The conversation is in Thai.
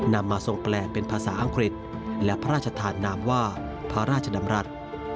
นำมาทรงแปลเป็นภาษาอังกฤษและพระราชทานนามว่าพระราชดำรัฐ